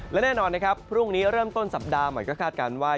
และแน่นอนนะครับพรุ่งนี้เริ่มต้นสัปดาห์ใหม่ก็คาดการณ์ว่า